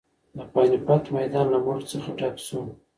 د پاني پت میدان له مړو څخه ډک شو.